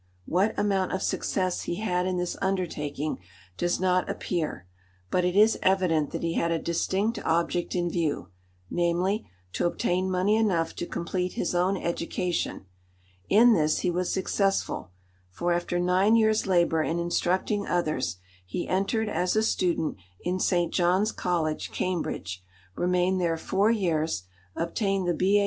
What amount of success he had in this undertaking does not appear, but it is evident that he had a distinct object in view, namely, to obtain money enough to complete his own education; in this he was successful, for after nine years' labour in instructing others, he entered as a student in St. John's College, Cambridge, remained there four years, obtained the B.A.